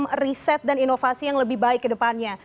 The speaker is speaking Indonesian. melakukan riset dan inovasi yang lebih baik ke depannya